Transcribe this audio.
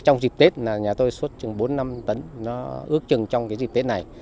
trong dịp tết nhà tôi xuất chừng bốn năm tấn ước chừng trong dịp tết này